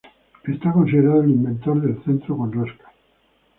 Es considerado el inventor del centro con rosca.